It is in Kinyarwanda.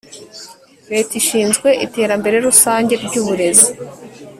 Leta ishinzwe iterambere rusange ry uburezi